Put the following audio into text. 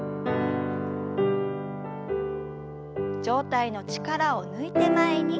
上体の力を抜いて前に。